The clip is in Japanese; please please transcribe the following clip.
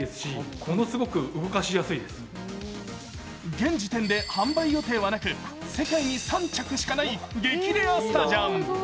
現時点で販売予定はなく、世界に３着しかない激レアスタジャン。